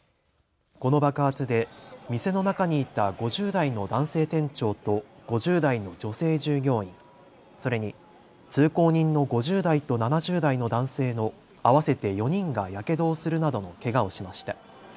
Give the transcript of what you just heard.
この爆発で店の中にいた５０代の男性店長と５０代の女性従業員、それに通行人の５０代と７０代の男性の合わせて４人がやけどをするなどのけがをしました。